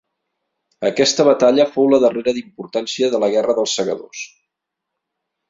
Aquesta batalla fou la darrera d'importància de la Guerra dels Segadors.